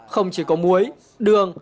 không chỉ có muối đường